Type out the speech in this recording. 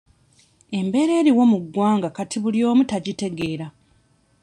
Embeera eriwo mu ggwanga kati buli omu tagitegeera.